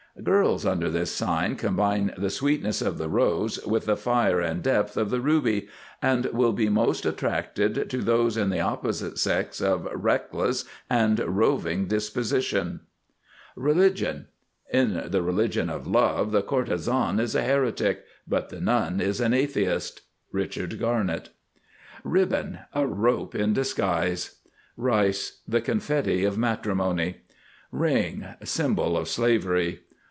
Girls under this sign combine the sweetness of the Rose with the fire and depth of the Ruby, and will be most attracted to those in the opposite sex of Reckless and Roving disposition. RELIGION. "In the religion of Love the courtesan is a heretic; but the nun is an atheist."—Richard Garnett. RIBBON. A rope in disguise. RICE. The confetti of matrimony. RING. Symbol of slavery.